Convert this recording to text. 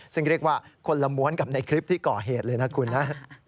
ซึ่งเรียกว่าคนละม้วนกับในคลิปที่ก่อเหตุเลยนะคุณนะ